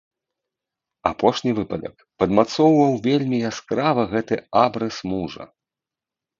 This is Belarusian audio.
Апошні выпадак падмацоўваў вельмі яскрава гэты абрыс мужа.